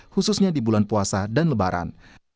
khususnya di bulan puasa dan lebaran